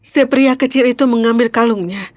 si pria kecil itu mengambil kalungnya